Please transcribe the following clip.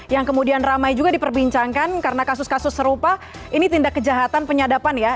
yang kemudian ramai juga diperbincangkan karena kasus kasus serupa ini tindak kejahatan penyadapan ya